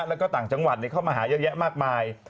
แล้วก็ต่างจังหวัดเข้ามาหาเยอะแยะมากมาย